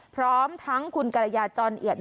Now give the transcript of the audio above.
พร้อมทั้งคุณกรยาจรเอียด